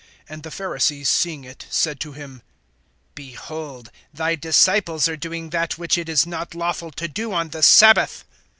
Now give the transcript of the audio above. (2)And the Pharisees seeing it said to him: Behold, thy disciples are doing that which it is not lawful to do on the sabbath.